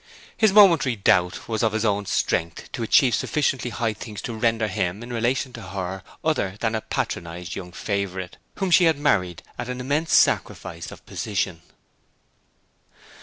His momentary doubt was of his own strength to achieve sufficiently high things to render him, in relation to her, other than a patronized young favourite, whom she had married at an immense sacrifice of position.